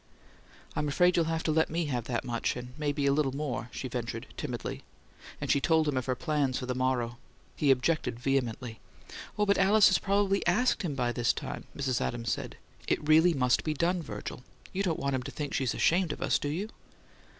"I'm afraid you'll have to let ME have that much and maybe a little more," she ventured, timidly; and she told him of her plans for the morrow. He objected vehemently. "Oh, but Alice has probably asked him by this time," Mrs. Adams said. "It really must be done, Virgil: you don't want him to think she's ashamed of us, do you?"